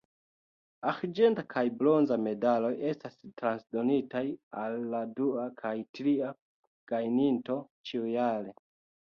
Arĝenta kaj bronza medaloj estas transdonitaj al la dua kaj tria gajninto ĉiujare.